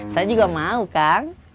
saya juga mau kang